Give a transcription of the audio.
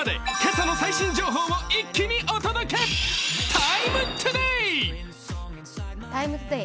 「ＴＩＭＥ，ＴＯＤＡＹ」。